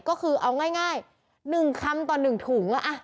ก็คือเอาง่ายหนึ่งคำต่อหนึ่งถุงอะ